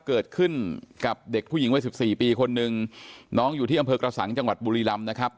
เกิดขึ้นกับเด็กผู้หญิงวัยสิบสี่ปีคนหนึ่งน้องอยู่ที่อำเภอกระสังจังหวัดบุรีรำนะครับ